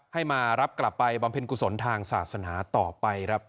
ให้มารับกลับไปบำเพ็ญกุศลทางศาสนาต่อไปครับ